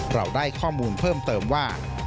เราได้ข้อมูลเพิ่มเติมว่า